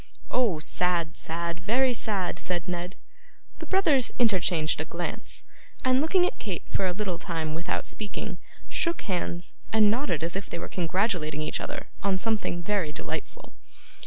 'Oh! sad, sad; very sad!' said Ned. The brothers interchanged a glance, and looking at Kate for a little time without speaking, shook hands, and nodded as if they were congratulating each other on something very delightful.